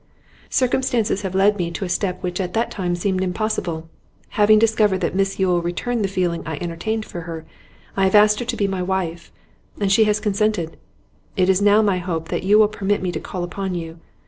'Circumstances have led me to a step which at that time seemed impossible. Having discovered that Miss Yule returned the feeling I entertained for her, I have asked her to be my wife, and she has consented. It is now my hope that you will permit me to call upon you.